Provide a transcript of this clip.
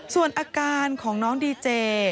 ส่วนอาการของน้องดีเจ